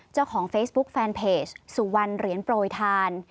เจ้าของเฟซบุ๊กแฟนเพจสุวรรณเหรียญโปรยทาน